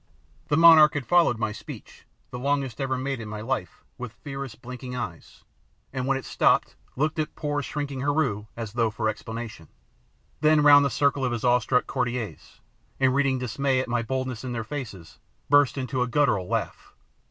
The monarch had followed my speech, the longest ever made in my life, with fierce, blinking eyes, and when it stopped looked at poor shrinking Heru as though for explanation, then round the circle of his awestruck courtiers, and reading dismay at my boldness in their faces, burst into a guttural laugh.